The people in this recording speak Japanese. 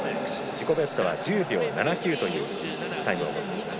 自己ベストは１０秒７９というタイムを持っています。